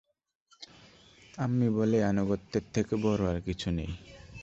আম্মি বলে, আনুগত্যের থেকে বড় আর কিছু নেই।